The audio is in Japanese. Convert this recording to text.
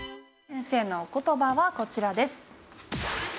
先生のお言葉はこちらです。